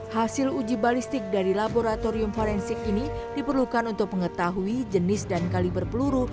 hasil uji balistik dari laboratorium forensik ini diperlukan untuk mengetahui jenis dan kaliber peluru